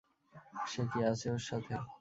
সে কি আছে ওর সাথে?